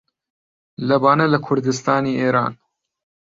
لە بانە لە کوردستانی ئێران